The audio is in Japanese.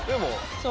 そう。